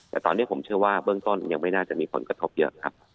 แต่ตอนนี้ผมเชื่อว่าเบื้องต้นยังไม่น่าจะมีผลกระทบเยอะครับ